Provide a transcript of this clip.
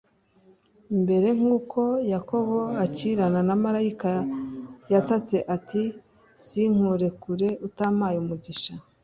Mbere nk'uko Yakobo akirama na malayika yatatse ati : "Sinkurekura utampaye umugisha",